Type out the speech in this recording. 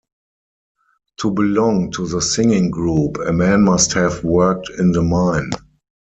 To belong to the singing group, a man must have worked in the mine.